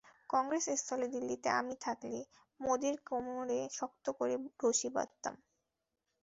কংগ্রেসের স্থলে দিল্লিতে আমি থাকলে, মোদির কোমরে শক্ত করে রশি বাঁধতাম।